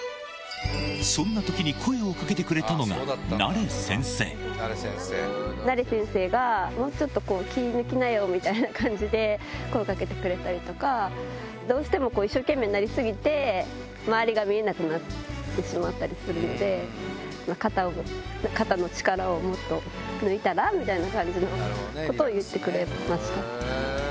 そんなときに声をかけてくれたのナレ先生が、もうちょっと気抜きなよみたいな感じで、声をかけてくれたりとか、どうしても一生懸命になり過ぎて、周りが見えなくなってしまったりするので、肩の力をもっと抜いたら？みたいな感じのことを言ってくれました。